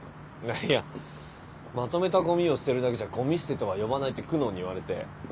いやまとめたごみを捨てるだけじゃごみ捨てとは呼ばないって久能に言われて。